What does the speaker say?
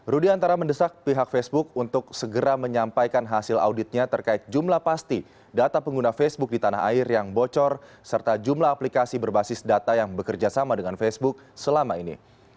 rudiantara mendesak pihak facebook untuk segera menyampaikan hasil auditnya terkait jumlah pasti data pengguna facebook di tanah air yang bocor serta jumlah aplikasi berbasis data yang bekerja sama dengan facebook selama ini